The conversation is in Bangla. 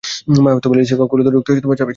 মা, অ্যালিসিয়া কক্ষগুলোতে ঢুকতে চাবি চায়।